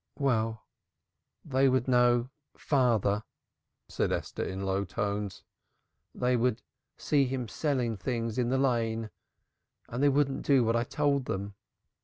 "Well, they would know father," said Esther in low tones. "They would see him selling things in the Lane and they wouldn't do what I told them."